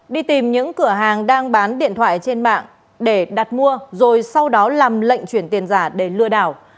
đi tìm những cửa hàng đang bán điện thoại trên mạng để đặt mua rồi sau đó làm lệnh chuyển tiền giả để lừa đảo